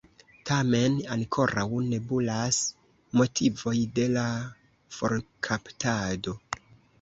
Tamen ankoraŭ nebulas motivoj de la forkaptado.